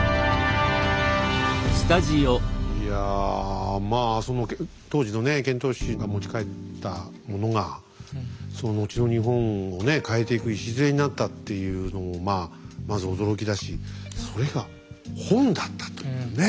いやまあ当時の遣唐使が持ち帰ったものが後の日本を変えていく礎になったっていうのまず驚きだしそれが本だったというね。